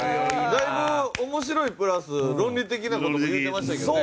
だいぶ面白いプラス論理的な事も言ってましたけどね。